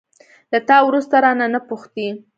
له تا وروسته، رانه، نه پوښتي